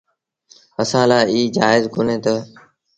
اسآݩٚ لآ ايٚ جآئيز ڪونهي تا